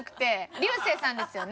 流星さんですよね？